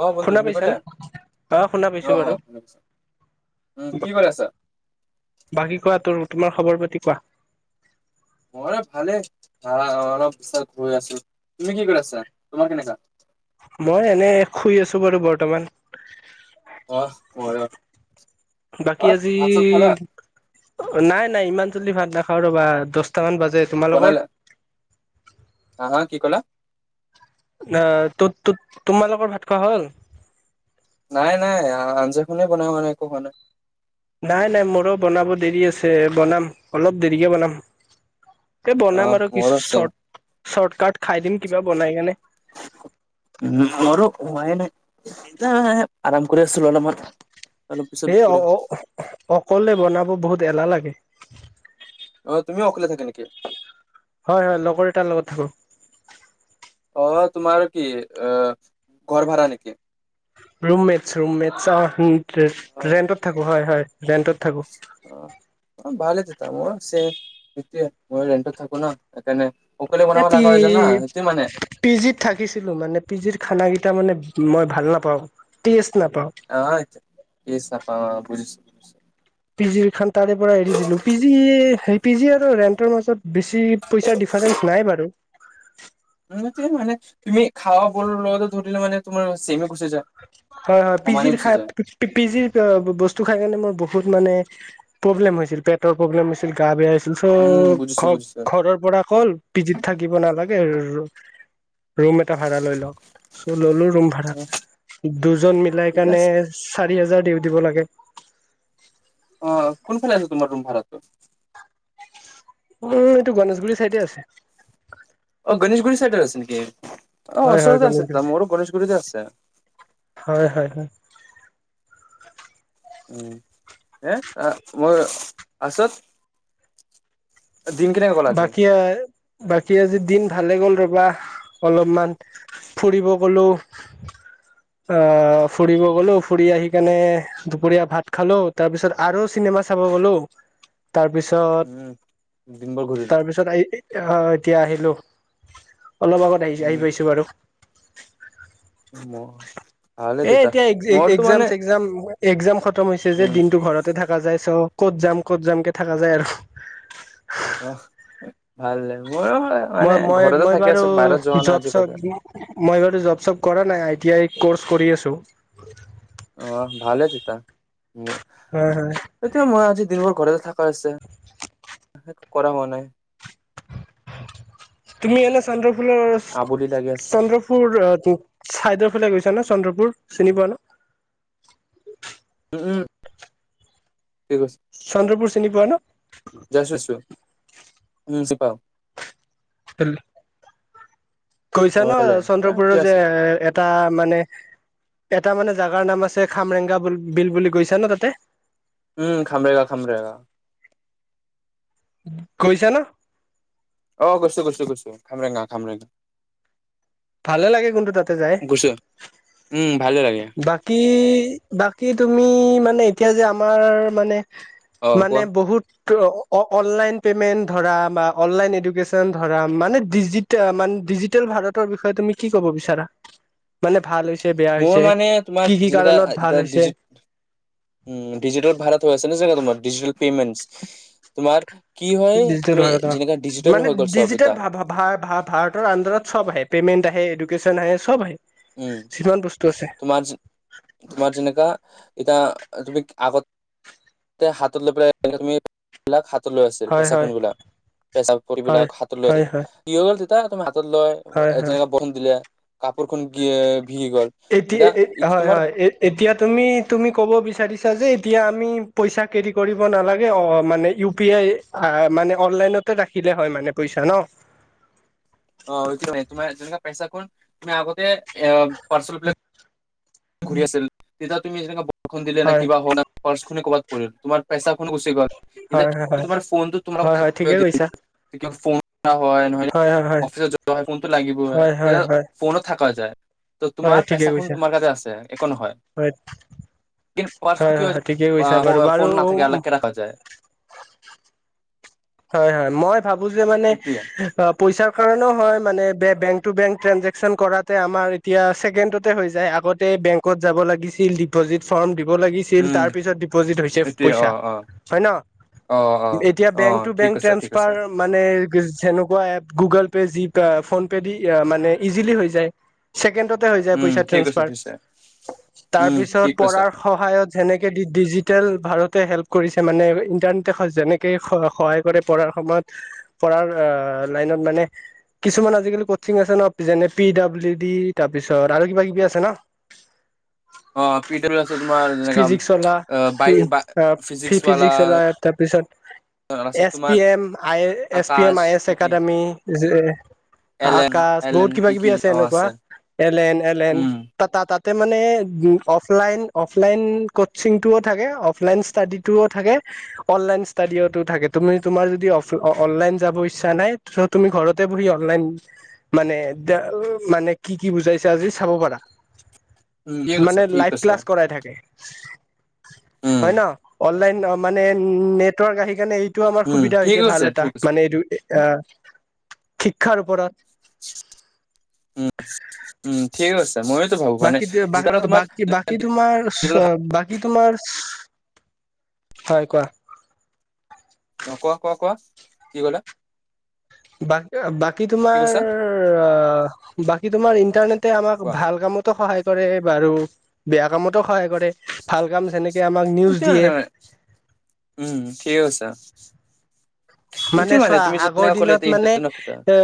অ বন্ধু শুনা শুনি পালা পাইছানে অ শুনা অ পাইছো অ বাৰু শুনি পাইছো উম কি কৰি আছা বাকী কোৱা তোৰ তোমাৰ খবৰ পাতি কোৱা মই ভালে অলপ গৈ আছো তুমি কি কৰিছা তোমাৰ কেনেকুৱা মই এনে শুই আছো বাৰু বৰ্তমান অহ্, ময়ো বাকী আজি অ', নাই-নাই। ইমান জল্দি ভাল নাখাওঁ ৰ'বা দছটামান বাজি জে, তোমালোকৰ। বনালা হা হা কি কলা। অ', তুত-তুত-তোমালালোকৰ ভাত খোৱা হ'ল। নাই-নাই। আঞ্জাখনেই বনা হোৱা নাই, একো হোৱা নাই। নাই-নাই। মোৰো বনাব দেৰি আছে। বনাম, অলপ দেৰিকে বনাম। এ অ বনাম আৰু কিছু মোৰো চেম চৰ্ট-চৰ্টকাট খাই দিম, কিবা বনাই কেনে। মোৰো হোৱাই নাই এতিয়া আৰাম কৰি আছিলো, অলপমান। অলপ পিছত এ অ, অ, কৰিম অহ্ অহ্ অকলে বনাব বহুত এলাহ লাগে। অ তুমিও অকলে থাকা নেকি হয়, হয়। লগৰ এটাৰ লগত থাকো। অ', তোমাৰ কি অ, ঘৰ ভাড়া নেকি। ৰুমমেটছ-ৰুমমেটছ অ', হ অ ৰে-ৰেন্তত থাকো। হয়, হয়। ৰেন্তত থাকো। অ, অ', ভালে তেতিয়া মইও চেম, সিটোৱে ম‌ইও ৰেন্তত থাকো ন সেইকাৰণে অকলে এ বনাব লগা হৈ যায় না সেইটো মানে পি-পি জিত থাকিছিলো মানে পি জিৰ খানা কিটা মানে মই ভাল নাপাও। তেস অ', আচ্ছা। ৰেষ্ট নাপাও অ, বুজিছোঁ। নিশ্চয় পি জিৰ খান তাৰে পৰা এৰি দিলো। পি জি স, পি জি আৰু ৰেন্টৰ মাজত বেছি পইচাৰ ডিফাৰেন্ঞ্চ নাই বাৰু। উম সেইটোৱে মানে তুমি, খাৱা বৰৰ লগতে ধৰিলে মানে তোমাৰ চেমে হ হয়, হয়। পি জিৰ খাই, পি-পি জিৰ বস্তু খাই কিনে মোৰ বহু বহুত মানে প্ৰব্লেম হৈছিল। পেটৰ প্ৰব্লেম হৈছিল, গা-বেয়া হৈছি চ উম বুজিছো বুজিছো ঘ-ঘৰৰ পৰা কল পি জিত থাকিব নালাগে। ৰ ৰুম এটা ভাড়া লৈ ল। চ ললো ৰুম ভাড়া। দুজন মিলাই ঠিকে কাৰণে আছে চাৰ চাৰি হা-হাজাৰ দি দিব লাগে। অ', কোনফাল আছে তোমাৰ ৰুম ভাড়াতো। উম, এইটো গণেশগুৰি চাইডে আছে। অ', গণেশগুৰি চাইডত আছে নেকি। অ', হয় হয় ওচৰতে আছে গণেশগুৰি তেতিয়া মোৰো গণেশগুৰিতে আছে। হ উম, হে এ মই পাছত দিন কেনেকে গ'ল আজি বাকী বাকী আজি দিন ভালে গ'ল ৰব া অলপমান ফুৰিব গলো আহ ফুৰিব গলো ফুৰি আহি কেনে দুপৰীয়া ভাত খালো তাৰপিছত আৰু চিনেমা চাব গলো উম ঘূৰিলো তাৰপিছত এই আহ, এতিয়া আহিলো। অলপ আগত আহি, আহি পাইছো বাৰু। উম ভালে এ তেতিয়া এতিয়া মোৰতো একজাম মানে চেগজাম একজাম খতম হৈছে যে, উম, দিনটো ঘৰতে থাকা যায় চ ক'ত যাম, ক'ত যাম কে থাকা যায় আৰু। অহ। ভাল মোৰো হয় মানে মই, মই, ঘৰতে মই থাকি বাৰু আছো বাহিৰত যোৱা নাই জব আজি কতো। চব মই বাৰু জব চব কৰা নাই এতিয়াই ক'ৰ্চ কৰি আছো। অহ, ভালে তিতা। মোৰ হয় হয় এতিয়া মই আজি দিনবোৰ ঘৰে কৈছে কৰা হোৱা নাই। [unintelligible] [unintelligible] চন্দ্ৰপুৰত আবুলি লাগি আছে চাইদৰ ফালে গৈছা নে চন্দ্ৰপুৰ? চিনি পোৱা ন? উম। [unintelligible] চন্দ্ৰপুৰ চিনি পোৱা ন? [unintelligible] উম, চিপাও [unintelligible] গৈছা অহ, ন? এফালে এ চন্দ্ৰপুৰৰ ঠিক যে আছে। এটা মানে পেত এটা মানে জোগাৰ নাম আছে খামৰেগা বুল-বিল বুলি গৈছা নে তাতে? উম, খামৰেগা, খামৰেগা। গৈছা ন? অ', গৈছো, গৈছো, গৈছো খামৰেঙা, খামৰেঙা। ভালে লাগে কোনটো তাতে যায়, গৈছো। উম, ভালে লাগে বাকী বাক কি তুমি মানে এতিয়া যে, আমাৰ মানে অহ, মানে কোৱা বহুত টো অ-অনলাইন পেমেন্ট ধৰা বা অনলাইন এডুকেচন ধৰা মানে ডিজিট মানে ডিজিটেল ভাৰত তৰ বিষয়ে তুমি কি ক'ব বিচাৰা? মানে ভাল হৈছে বেয়া মোৰ হৈছে মানে তোমাৰ কি কি যেনেকা কাৰণত ভাল এতিয়া হৈছে ডিজিত উম, ডিজিটেল ভাৰত হৈ আছে না জেগা তোমাৰ ডিজিটেল পেমেটচ তোমাৰ কি হয় ডিজিটেল তুমি ভাৰত যেনেকা অ', ডিজিটেল মানে হৈ গ'ল চব এতিয়া ডিজিটেল ভা-ভা-ভাৰতৰ-ভাৰতৰ আন্দাৰত চব আহে পেমেন্ট আহে এডো কেচন আহে সব আহে। উম, যিমান বস্তু আছে তোমাৰ যে তোমাৰ যেনেকা এতিয়া তুমি আগতে হাতত লৈ পেলাই তুমি হাত হ লৈ আছিল হয় পেছা হয় খুনবলাক পেচা পৰিবলাক হয় হাতত লৈ হয় হয় আছিল [unintelligible] তাত লয় হয় হয় জনেকা বসুন দিলে কাপোৰ [unintelligible] এতিয়া ইটো হয় তোমাৰ হয় এ এতিয়া তুমি তুমি কব বিচাৰ এতিয়া আমি পইচা কেৰি কৰিব নালাগে অ মানে ইউপি আই মানে অনলাইনতে ৰাখিলে হয় মানে পইচা ন। অ সটো তোমাৰ যেনেকুৱা পইচাখন তুমি আগতে এ পাৰ্চেল বিলাক ঘোৰি আছিল তেতিয়া তুমি যেনেকা বৰষুন দিলেন হয় কিবা হব ন ক'বাত পৰিল তোমাৰ পইচা খ গুচি গল এতিয়া হয় কি হয় তোমাৰ ফোনটো তোমাৰ লগত হয় হয় থাকিব ঠিকেই কৈছা। [unintelligible] হয় নহলে হয় হয় অফিচত যোৱা হয় ফোনতটো লাগিবই হয় হয় তেতিয়া হয় ফোনত থাকা যায়। ত হয় তোমাৰ ঠিকে পেচাখন কৈছা তোমাৰ তাতে আছে একো নহয় হয় কি পাৰ খু হয় হয় হৈ হয় ঠিকে কৈছা বাৰু যায় ফোন নাথাকে বাৰু আলাগ কে ৰাখা যায় হয় হয় মই- ভাবো যে মানে এইটোৱে অ পইচা কাৰনেও হয় মানে বেংক টু বেং ট্ৰেঞ্জেকচন কৰাতে আমাৰ এতিয়া ছেকেণ্ডতে হৈ যায় আগতে বেংকত যাব লাগিছিল ডিপজিট ফৰ্ম দিব দিব লাগিছিল উম তাৰ পিছত ডিপজিট হইছে এইটোৱে অ পইছা অ হয় ন অ অ এতিয়া অ বেংক ঠিক বেংক কৈছা ঠিক ট্ৰেন্সফাৰ কৈছা মানে মেনেকোৱা app Google Pay G PhonePe দি মানে এিজিলি হয় জায় ছেকেণ্ড লগতে হয় জায় উম পইচা ঠিক কৈছা ট্ৰান্সফাৰ ঠিক কৈছা উম তাৰপিছত ঠিক প কৈছা ৰাৰ সহায়ত যেনেকে ডিজিটেল ভাৰত লগতে হেল্প কৰিছে মানে ইণ্টাৰনেটে যেনেকে সহায় কৰে পঢ়াৰ সময়ত পঢ়াৰ লাইনত মানে কিছুমান আজিকালি কচিং আছে ন যেনে পি ডাব্লিউ ডি তাৰপিছত আৰু কিবা কিবি আছে ন অ পি ডব্লউ লাছতত তোমাৰ জেনেকা ফিজিক্স লা ফি ফিজিক্সৱালা ফিজিক্স ওলাই তাৰপিছত S P M I S P M I S কি একাডেমী। [unintelligible] এলেন আকাশ বহুত এলেন কিবা কি কিবি কি আছে অ এনেকুৱা এলেন এলেন উম টা তাতে মানে অফলাইন অফলাইন কচিংটোও থাকে, অফলাইন ষ্টাডি টোও থাকে অনলাইন ষ্টাডিতো থাকে। তুমি তোমাৰ যদি অনলাইন যাব ইচ্ছা নাই। তুমি ঘৰতে বহি অনলাইন মানে মানে কি কি বুজাইছে আজি চাব পাৰা। উম ঠিক আছে মানে ঠিক লাইভ আছে ক্লাছ কৰাই থাকে। উম হয় ন। অনলাইন মানে নেটৱৰ্ক আহি কিনে এইটো আমাৰ উম সুবিধা ঠিক হৈছে ভাল আছে এটা ঠিক আছে মানে এইটো এ শিক্ষাৰ ওপৰত। উম উম ঠিক আছে। ময়োতো ভাবো মানে বাকী যিতালে তোমাৰ বাকী বাকী তোমাৰ বাকী তোমাৰ। হয় কোৱা। অ কোৱা কোৱা কোৱা কি কলো। বাকী তোমাৰ বাকী তোমাৰ ইন্টাৰনেটে আমাক কোৱা ভাল কামতো সহায়। কৰে বাৰু বেয়া কামতো সহায় কৰে, ভাল কাম যেনেকে,। আমাক নিউজ যা দিয়ে নে উম ঠিক কৈছা মানে চোৱা, আগৰ এতিয়া দিনত মানে ইণ্টাৰনেট কথা এ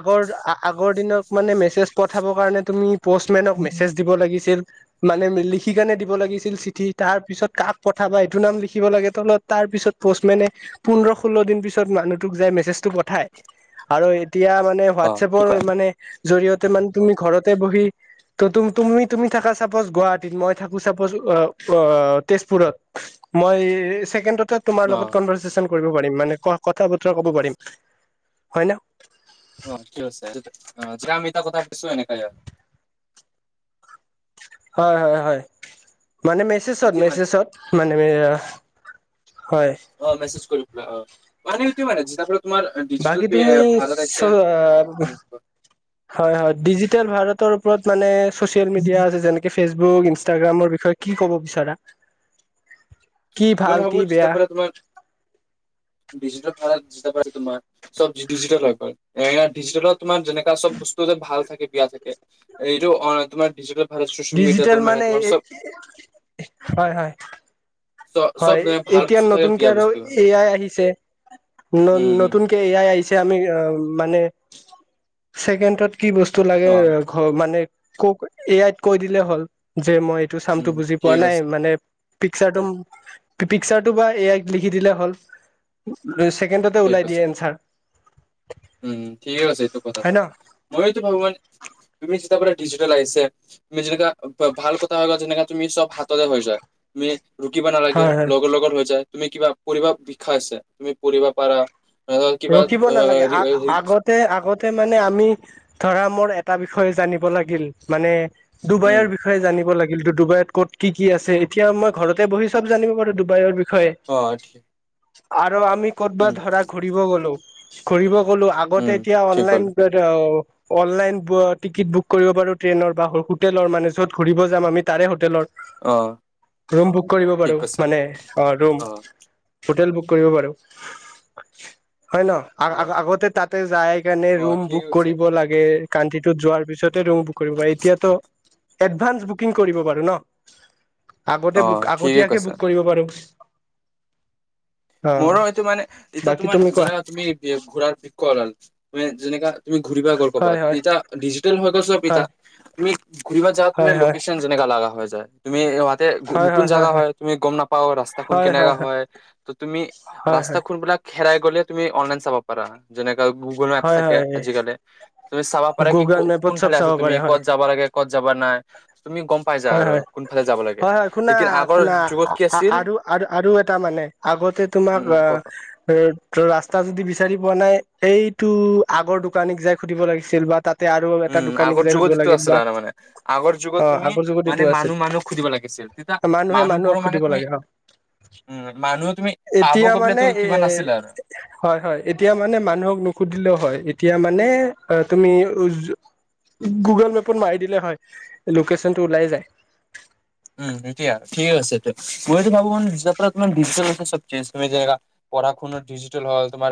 আগৰ আ। আগৰ দিনত মানে মেছেজ পঠাবৰ কাৰণে তুমি। প'ষ্টমেনক মেছেজ দিব লাগিছিল। মানে লিখি কাৰনে দিব লাগিছিল। চিঠি তাৰ পিছত কাক পঠাবা এইটো নাম লিখিব লাগে তলত তাৰ পিছত পোষ্টমেনে পোন্ধৰ ষোল্ল দিন পিছত। মানুহটোক যে মেছেজটো পঠাই আৰু। এতিয়া মানে অ ঠিক হোৱাটছএপৰ হয় মানে। জৰিয়তে মানে তুমি ঘৰতে বহি তুমি তুমি থাকা চাপৈচ গুৱাহাটীত মই থাকো চাপৈচ অ অ তেজপুৰত মই চেকেন্দত। তোমাৰ অ লগত কনভাৰ। কৰিব পাৰিম মানে ক। কথা বতৰা ক'ব পাৰিম। হয় ন যামিতা কথাছো এনেকায়। হয় হয় হয়। মানে মেছেজত বুজি মানে মেছেজত মানে। হয় অ মেছেজ কৰি পেলা অ। মানে হেইটো মানেছে। বাকী তুমি, উম হয় হয় ডিজি। ডিজিটেল ভাৰতৰ ওপৰত মানে। চ'চিয়েল মিডিয়া আছে যেনেকে,। ফেচবুক ইনষ্টাগ্ৰামৰ বিষয়ে কি ক'ব বিচাৰা। কি মই ভাল ভাবো কি বেয়া বিচতাৰ পৰা তোমাৰ বিচ। তোমাৰ চব ডিজি হৈ ডিজিলত তোমাৰ যেনেকা চব বস্তু যে ভাল থাকে বেয়া থাকে এইটো তোমাৰ ডিজিটেল। ভাৰত চচিয়েল ডিজিটেল মিডিয়াটো মানে, তোমাৰ চব হয় হয়। চ হয় চব মানে ভাল এতিয়া বস্তু থাকে নতুনকে বেয়া আৰু বস্তু এ আাই আহিছে ন উম উম নতুনকে এ আই আহি। আমি মানে ছেকেণ্ডত। কি বস্তু লাগে অ ঘ মানে। ক এয়ত কৈ দিলে হ'ল। যে মই এইটো চামটো উম বুজি পোৱা ঠিক নাই আছে মানে পিকচাৰটো পিকচাৰটো বা এ আইক লিখি দিলে হ'ল ছেকেণ্ডতে ঠিক ওলাই দিয়ে আছে এনচাৰ উম ঠিকেই আছে এইটো হয় কথাটো ন মইতো ভগৱান তুমি যেতিয়াৰ পৰা ডিজিটেল আহিছে তুমি যেনেকা ভাল কথা হৈ বা যেনেকা তুমি চব হাততে হৈ যায় তুমি ৰুকিব নালাগে হয় হয় লগৰ লগৰ হৈ যায় তুমি কিবা পঢ়িব বিচাইছে তুমি পঢ়িব পাৰা ল কিবা ৰখিব অ নালাগে আ আগতে আ আগতে মানে আমি ধৰা মোৰ এটা বিষয়ে জানিব লাগিল মানে উম ডুবাইৰ বিষয়ে জানিব লাগে যিটো ডুবাইত ক'ত কি কি আছে এতিয়া মই ঘৰতে বহি চব জানিব পাৰো ডুবাইৰ বি অ ঠি আত আৰু আমি ক'তবাত ধৰা ঘু ৰিব গলো উম আগতে এতিয়া ঠিক হ'ল অনলাইন অনলাইন ব টিকেট বুক কৰিব পাৰো ট্ৰেইনৰ বা হোটেলৰ মানে য'ত ঘূৰিব যাম আমি তাৰে হোটেলৰ অ ৰুম বুক কৰিব ঠিক পাৰো কৈছা মানে অ ৰুম হোটেল বুক কৰিব পাৰো হয় হয় ন আ অ আ আগতে তাত তাতে যায় কেনে অ ৰুম ঠিক বুক আছে কৰিব লাগে কান্ধিটোত যোৱাৰ পিছতে ৰুম বুক কৰিব পাৰি এতিয়াতো এডভান্স বুকিং কৰিব পাৰো ন আগতে অ বুক ঠিকে আগতীয়াকে কৈছা। বুক কৰিব পাৰো অ মোৰো হয়টো মানে এতিয়া বাকী তোমাৰ তুমি কোৱা ধৰা তুমি ঘূৰাৰ কৰাল মে যেনেকা তুমি ঘূৰিবা গ'ল হয় ক'বাত হয় এতিয়া ডিজিটেল হৈ গ'ল চব এতিয়া হয় তুমি ঘূ়ৰিব যৱাত তুমি হয় লোকেশ্যন জেনেকা লাগা হৈ যায় তুমি এ অ তাতে হয় হয় নতুন জাগা হয় তুমি গম নাপা ৰাস্তাখন কেনেকে হয়। ত তুমি হয় হয় ৰাস্তা খোনবিলাক হেৰাই গ'লে তুমি অনলাইন চাব পাৰা যেনেক গুগল মেপ হয় থাকে হয় আজ কালি তুমি চাবা পাৰা কি গুগল মেপত কোন চব ফালে চাব আছে তুমি ক'ত যাবা লাগে ক'ত যাবা নাই। তুমি গম পাই যা আৰু কোনফালে যাব লাগে হয়-হয়-হয়-হয়, লেকিন আগৰ শুনা-শুনা, যুগত কি আছিল আৰু-আৰু-আৰু এটা মানে। আগতে তোমাক উম উম ক ক অ' ৰাস্তা যদি বিচাৰি পোৱা নাই এইটো আগৰ দোকানীক যাই খুধিব লাগিছিল। বা তাত উম' আগৰ যুগত ইটো আছিলা মানে। আগৰ যুগত অ তুমি আগৰ যুগত মানে সেইটো আছিল, মানুহ মানুহক সুধিব লাগিছিল তেতিয়া মানুহে-মানুক মানুহবোৰৰ মানে সুধব তুমি লাগে অ' উম, মানুহ তুমি পাব এতিয়া গৈ পেলাই মানে তো কিবা নাছিল আৰু। হয়-হয় এতিয়া মানে মানুহক নুুহুধিলেও হয় এতিয়া। মানে তুমি যু গুগুল মেপত মাৰি দিলেও হয়, লোকেচন টো ওলাই যায়। উম' এতিয়া ঠিক আছে মই এইটো ভাবো মান তোমাৰ ডিজিতেল আছে চব তুমি যেনে পঢ় শুনাৰ ডিজিটেল হল তোমাৰ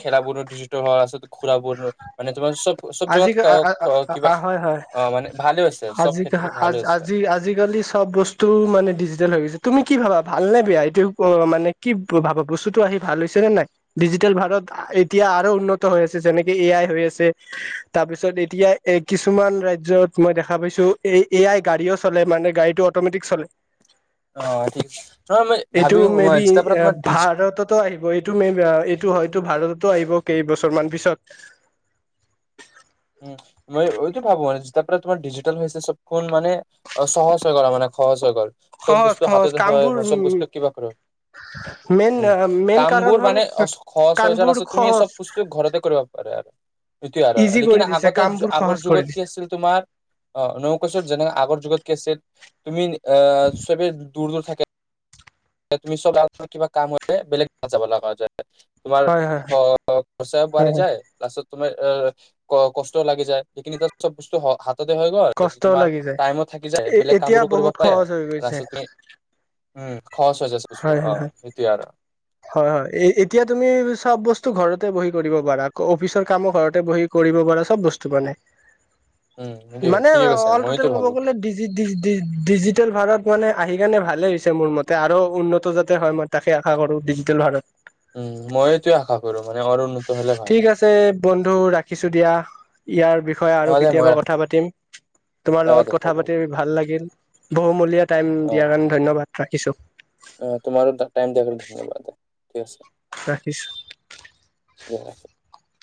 খেলা বোৰো ডিজিটেল হল আচলতে ঘুৰাবোৰ মানে তোমাৰ চব চব আজি জেগাত কিবা হয়-হয় অ' মানে ভালে হৈছে চব ক্ষেত্ৰত ভালে হৈছে। আজি-আজি আজিকালি চব বস্তু টো মানে ডিজিটেল হৈ গৈছে। তুমি কি ভাবা ভাল নে বেয়া এইটো মানে কি ভাবা বস্তুতটো আহি ভাল হৈছে নে নাই ডিজিটেল ভাৰত এতিয়া আৰু উন্নত হৈ আছে যেনেকে এ আই হৈ আছে। তাৰ পিছত এতিয়া এ কিছুমান ৰাজ্যত মই দেখা পাইছো এই এ আই গাড়ীও চলে মানে গাড়ীতটো অটমেটিক চলে। অ' ঠিক নহয় মই এইটো ভাবি মে বি যেতিয়াৰ পৰা তোমাৰ ডিজি ভাৰততো আহিব এইটো মে এইটো হয়তো ভাৰত টো আহিব কেইবছৰ মান পিছত। উম, মই এইটো ভাবো মানে যে তাৰ পৰা তোমাৰ ডিজিটেল হৈছে চবখনোন মানে অ সহজ হৈ কৰা মানে সহজ হৈ গল। চব সহজ বস্তু হাততে সহজ কামবোৰ উম চব বস্তু কিবা কৰিব মেইন উম' মেইন কাম কাৰণ বোৰ হ'ল মানে সজহজ কামবোৰ আছে তুমি সহজ চব বস্তু ঘৰতে কৰিব পাৰ আৰু। ইজি কৰি কিনে দিছে আগতে কামবোৰ আগৰ সহজ কৰি যুগত কি দিছে আছিল তোমাৰ অ নৌকাচত যেনে আগৰ যুগত তুমি এ চবে দূৰ-দূৰ থাকে। তুমি চব আৰু কিবা কাম বেলেগ যাব লগা যায়। তোমাৰ হয় হয় হয় খৰচ হয় বাঢ়ি হয় যায় তাৰপিচত, তুমাৰ এ ক কষ্ট লাগি যায় সেইখিনিতিাত চব বস্তু হৈ গল কষ্টও তোমাৰ লাগি যায় টাইমত থাকি যায় এ বেলেগ কাম এতিয়া বোৰো কৰিব বহুত পাৰে সহজ হৈ গৈছে তাৰপিচত তুমি উম, খচজ হৈছে বস্তু, অ সেইটোয়ে আৰু হয়-হয় এতিয়া তুমি চব বস্তু ঘৰতে বহি কৰিব পাৰা অফিচৰ কামো ঘৰতে বহি কৰিব পাৰা চব বস্তু মানে। উম সেইটোয়ে মানে ঠিকে কৈছে অল টোটেল মইতো ক'ব ভাবো গ'লে দিজি-দিজি-ডিজিটেল ভাৰত মানে আহি কাৰণে ভালে হৈছে মোৰ মতে আৰু উন্নত যাতে হয় মই তাকে আশা কৰো। ডিজিটেল ভাৰত। উম মইটোয়ে আশা কৰো মানে। আৰু উন্নত হলে ভাল ঠিক আছে বন্ধু ৰাখিছো দিয়া। ইয়াৰ বিষয়ে অ আৰু দে মই কেতিয়াবা কথা পাতিম। তোমাৰ অ দে লগত কথা হ'ব পাতি ভাল লাগিল। বহুমূলীয়া। টাইম দিয়াৰ কাৰণে ধণবাদ। ৰাখিছোঁ। অ' তোমৰো টকটাইম [inaudible] ধন্যবাদ ঠিক আছে। দে ৰাখিছোঁ।